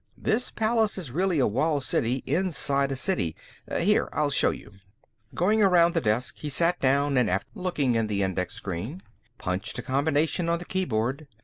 This palace is really a walled city inside a city. Here, I'll show you." Going around the desk, he sat down and, after looking in the index screen, punched a combination on the keyboard.